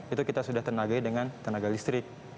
itu kita sudah tenagai dengan tenaga listrik